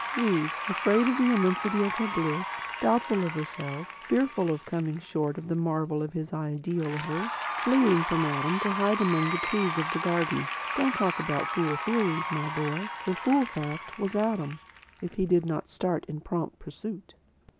"Eve, afraid of the immensity of her bliss, doubtful of herself, fearful of coming short of the marvel of his ideal of her, fleeing from Adam, to hide among the trees of the garden. Don't talk about fool theories, my boy. The fool fact was Adam, if he did not start in prompt pursuit."